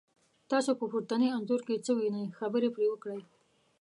تاسو په پورتني انځور کې څه وینی، خبرې پرې وکړئ؟